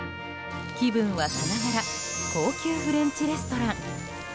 気分はさながら高級フレンチレストラン。